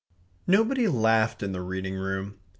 Nobody laughed in the reading room.